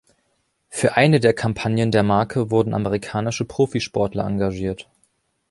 Für eine der Kampagnen der Marke wurden amerikanische Profisportler engagiert.